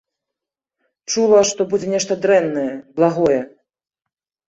Чула, што будзе нешта дрэннае, благое.